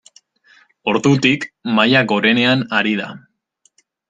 Ordutik maila gorenean ari da.